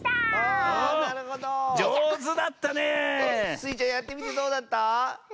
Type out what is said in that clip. スイちゃんやってみてどうだった？